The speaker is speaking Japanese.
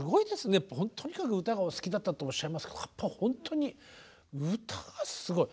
とにかく歌がお好きだったっておっしゃいますけどやっぱ本当に歌がすごい。